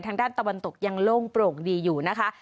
ด้านตะวันตกยังโล่งโปร่งดีอยู่นะคะ